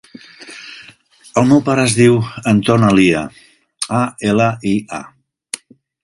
El meu pare es diu Anton Alia: a, ela, i, a.